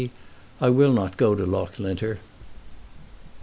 "I WILL NOT GO TO LOUGHLINTER."